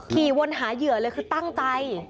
ขี่วนหาเหยื่อเลยคือตั้งใจ